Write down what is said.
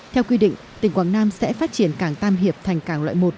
theo quy định tỉnh quảng nam sẽ phát triển cảng tam hiệp thành cảng loại một